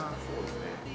そうですね。